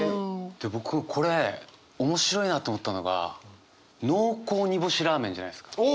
で僕これ面白いなと思ったのが「濃厚煮干しラーメン」じゃないですか。